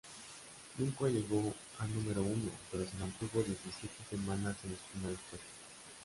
Nunca llegó a número uno, pero se mantuvo diecisiete semanas en los primeros puestos.